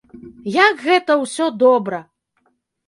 Як гэта ўсё добра!